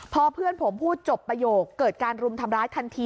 พอเพื่อนผมพูดจบประโยคเกิดการรุมทำร้ายทันที